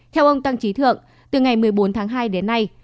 theo ông tăng trí thượng từ ngày một mươi bốn tháng hai đến nay